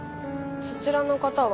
そちらの方は？